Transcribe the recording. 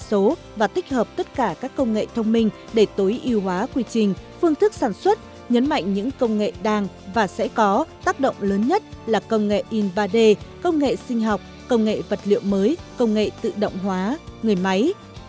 số và tích hợp tất cả các công nghệ thông minh để tối ưu hóa quy trình phương thức sản xuất nhấn mạnh những công nghệ đang và sẽ có tác động lớn nhất là công nghệ in ba d công nghệ sinh học công nghệ vật liệu mới công nghệ tự động hóa người máy